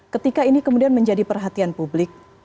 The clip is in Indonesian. ketika ini kemudian menjadi perhatian publik